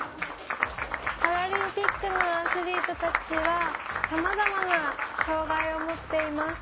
パラリンピックのアスリートたちはさまざまな障がいを持っています。